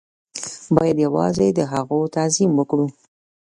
بايد يوازې د هغو تعظيم وکړو.